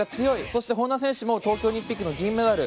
そして、本多さんも東京オリンピックの銀メダル。